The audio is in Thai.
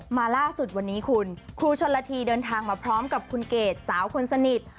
ล่าสุดวันนี้คุณครูชนละทีเดินทางมาพร้อมกับคุณเกดสาวคนสนิท